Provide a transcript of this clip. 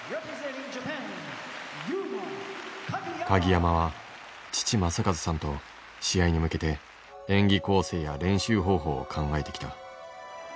鍵山は父正和さんと試合に向けて演技構成や練習方法を考えてきた。